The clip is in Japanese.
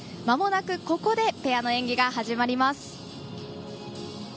まもなく、ここでペアの演技が始まります。